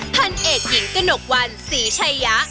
พันเอกหญิงกระหนกวันศรีชัยะ